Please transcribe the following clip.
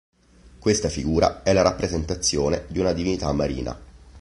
Questa figura è la rappresentazione di una divinità marina.